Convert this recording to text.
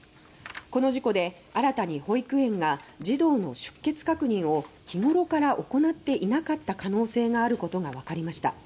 この事故で、新たに保育園が児童の出欠確認を日ごろから行っていなかった可能性があることがわかりました。